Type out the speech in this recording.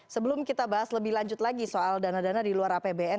sebelum kita bahas lebih lanjut lagi soal dana dana di luar apbn